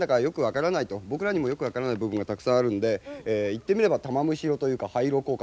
僕らにもよく分からない部分がたくさんあるんで言ってみれば玉虫色というか。